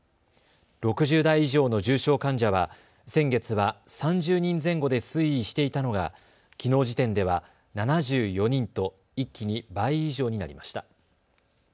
６０代以上の重症患者は先月は３０人前後で推移していたのがきのう時点では７４人と一気に倍以上になりました。